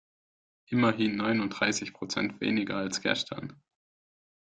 Immerhin neununddreißig Prozent weniger als gestern.